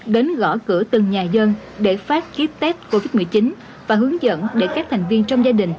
đến gõ cửa từng nhà dân để phát kiếp test covid một mươi chín và hướng dẫn để các thành viên trong gia đình